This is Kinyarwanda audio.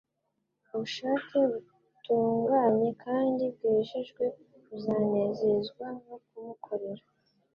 Ubushake butunganye kandi bwejejwe buzanezezwa no kumukorera.